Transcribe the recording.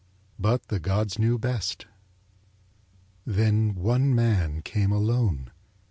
But the gods knew best. Then one man came alone.